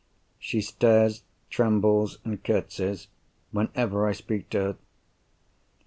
She stares, trembles, and curtseys, whenever I speak to her.